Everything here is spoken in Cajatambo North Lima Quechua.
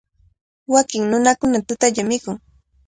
Wakin nunakunaqa tutallami mikun.